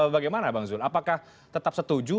bagaimana bang zul apakah tetap setuju